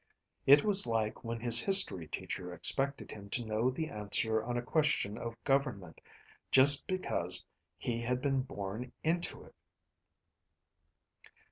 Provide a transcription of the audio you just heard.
It was like when his history teacher expected him to know the answer on a question of government just because he had been born into it.